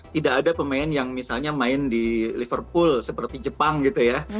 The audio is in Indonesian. tidak ada pemain yang misalnya main di liverpool seperti jepang gitu ya